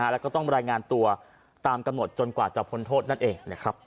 แล้วก็ต้องรายงานตัวตามกำหนดจนกว่าจะพ้นโทษนั่นเอง